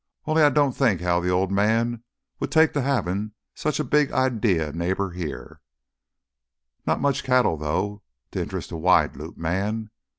Only I don't think as how th' Old Man would take to havin' any such big ideared neighbor here. Not much cattle, though, to interest a wide loop man.